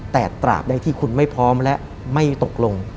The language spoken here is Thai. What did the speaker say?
แต่ตราบใดที่คุณไม่พร้อมและไม่ตกลง